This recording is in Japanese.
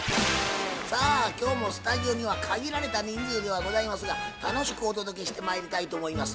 さあ今日もスタジオには限られた人数ではございますが楽しくお届けしてまいりたいと思います。